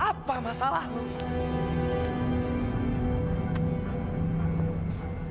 apa masalah lo